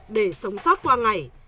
để sống sót qua ngày